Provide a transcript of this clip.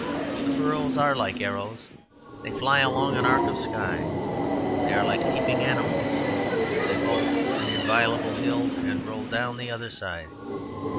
The furrows are like arrows; they fly along an arc of sky. They are like leaping animals; they vault an inviolable hill and roll down the other side.